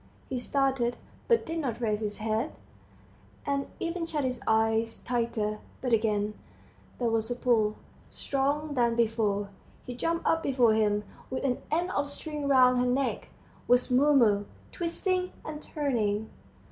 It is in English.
He started, but did not raise his head, and even shut his eyes tighter. But again there was a pull, stronger than before; he jumped up before him, with an end of string round her neck, was Mumu, twisting and turning.